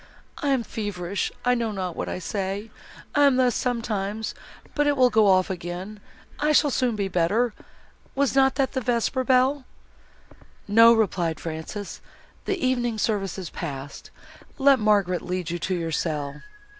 I am feverish, I know not what I say. I am thus, sometimes, but it will go off again, I shall soon be better. Was not that the vesper bell?" "No," replied Frances, "the evening service is passed. Let Margaret lead you to your cell."